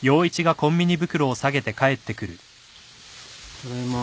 ・ただいま。